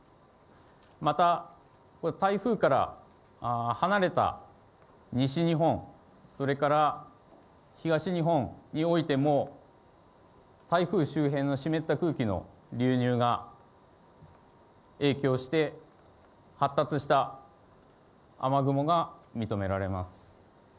またこれ、台風から離れた西日本、それから東日本においても、台風周辺の湿った空気の流入が影響して、発達した雨雲が認められます。